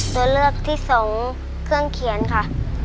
ตัวเลือกที่สองเครื่องเขียนค่ะ